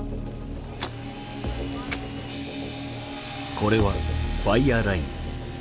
これはファイアーライン。